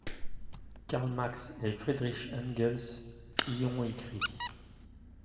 Karl Marx et Friedrich Engels y ont écrit.